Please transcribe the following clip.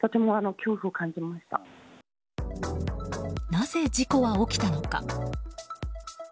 なぜ事故は起きたのか。